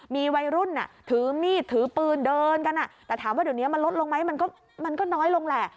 มีวัยรุ่นถือมีดถือปืนเดินกันแต่ถามว่าเดี๋ยวนี้มันลดลงไหมมันก็น้อยลงแหละ